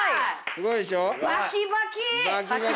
すごいでしょ。